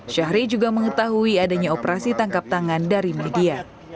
syahri juga mengetahui adanya operasi tangkap tangan dari media